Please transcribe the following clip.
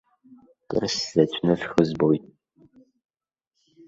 Кыр сзаҵәны схы збоит.